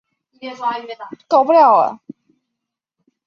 生物数学在生物学的理论和实践中都有广泛的应用。